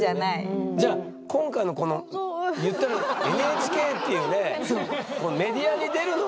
じゃあ今回のこのいったらＮＨＫっていうねメディアに出るのも。